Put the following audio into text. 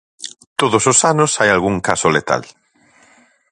Todos os anos hai algún caso letal.